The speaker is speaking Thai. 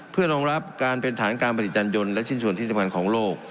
เพื่อรองรับการเป็นฐานการผลิตจานยนและชิ้นส่วนที่สำคัญของโลก